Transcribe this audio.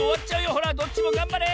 ほらどっちもがんばれ！